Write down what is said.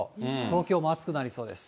東京も暑くなりそうです。